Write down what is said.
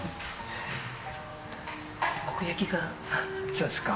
そうですか？